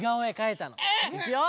いくよ！